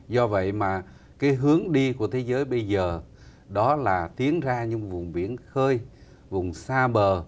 do vậy mà cái hướng đi của thế giới bây giờ đó là tiến ra những vùng biển khơi vùng xa bờ